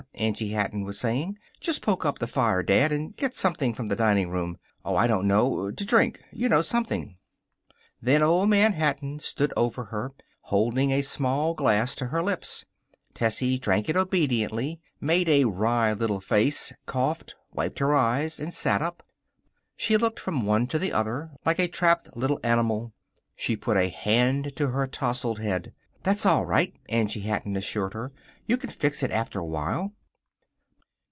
Angie Hatton was saying. "Just poke up the fire, Dad. And get something from the dining room. Oh, I don't know. To drink, you know. Something " Then Old Man Hatton stood over her, holding a small glass to her lips. Tessie drank it obediently, made a wry little face, coughed, wiped her eyes, and sat up. She looked from one to the other, like a trapped little animal. She put a hand to her tousled head. "That's all right," Angie Hatton assured her. "You can fix it after a while."